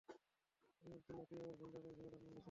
অই, আব্দুইল্লা, তুই আবার ভুল জায়গায় ভুল অর্ডার নিয়ে গেছিস।